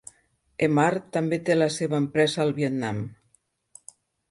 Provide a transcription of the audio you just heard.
Emart també té la seva empresa al Vietnam.